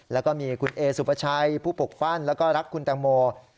แล้วก็มีคุณเอสุปชัยผู้ปกปั้นแล้วก็รักคุณแตงโม